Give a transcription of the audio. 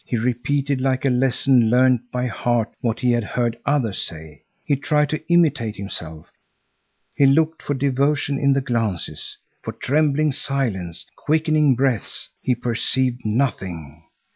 He repeated like a lesson learned by heart what he had heard others say. He tried to imitate himself. He looked for devotion in the glances, for trembling silence, quickening breaths. He perceived nothing.